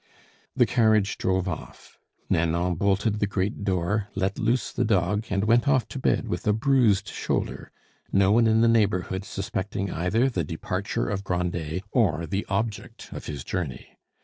The carriage drove off. Nanon bolted the great door, let loose the dog, and went off to bed with a bruised shoulder, no one in the neighborhood suspecting either the departure of Grandet or the object of his journey.